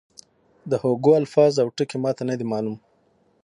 د هوګو الفاظ او ټکي ما ته نه دي معلوم.